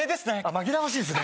紛らわしいですね